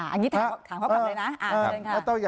อันนี้ถามเขากลับเลยนะ